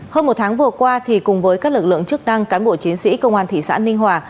hơn một tháng vừa qua cùng với các lực lượng chức năng cán bộ chiến sĩ công an thị xã ninh hòa